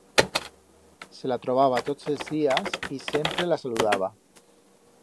Se la trobaba tots els días y sempre la saludaba.